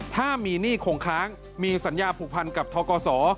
ถ้ามีหนี้คงค้างมีสัญญาผูกพันกับทกศ